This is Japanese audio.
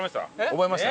覚えました？